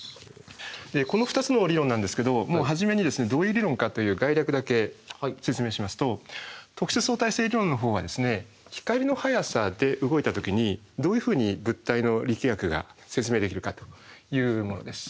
この２つの理論なんですけど始めにどういう理論かという概略だけ説明しますと特殊相対性理論のほうは光の速さで動いた時にどういうふうに物体の力学が説明できるかというものです。